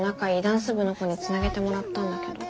ダンス部の子につなげてもらったんだけど。